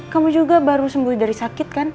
kamu juga baru sembuh dari sakit kan